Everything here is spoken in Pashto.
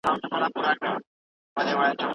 سترګې یې ډکې وې،